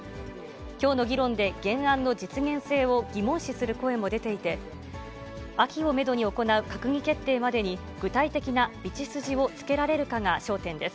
きょうの議論で原案の実現性を疑問視する声も出ていて、秋をメドに行う閣議決定までに具体的な道筋をつけられるかが焦点です。